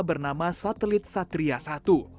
bernama satelit satria satu